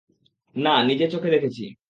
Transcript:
না, নিজে চোখে দেখেছি।